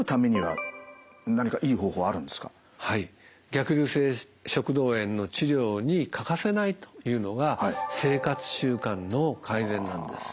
逆流性食道炎の治療に欠かせないというのが生活習慣の改善なんです。